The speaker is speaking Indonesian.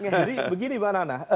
jadi begini mbak nana